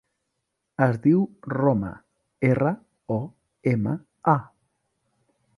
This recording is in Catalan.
Es diu Roma: erra, o, ema, a.